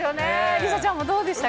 梨紗ちゃんもどうでした？